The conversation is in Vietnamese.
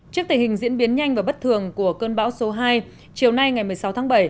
trước tình hình diễn biến nhanh và bất thường của cơn bão số hai chiều nay ngày một mươi sáu tháng bảy